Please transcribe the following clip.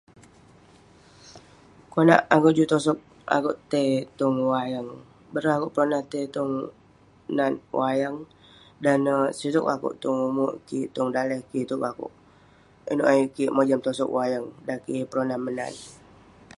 Konak akouk juk tosog akouk tai tong wayang, bareng akouk peronah tai tong..nat wayang, dan neh sitouk akouk..tong umerk kik, tong daleh kik itouk keh akouk..inouk ayuk kik mojam tosog wayang dan kik yeng peronah menat